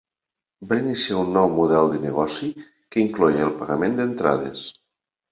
Va iniciar un nou model de negoci que incloïa el pagament d'entrades.